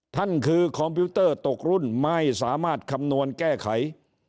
ท่านคือคอมพิวเตอร์ตกรุ่นไม่สามารถคำนวณแก้ไข